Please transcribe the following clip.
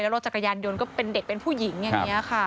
รถจักรยานยนต์ก็เป็นเด็กเป็นผู้หญิงอย่างนี้ค่ะ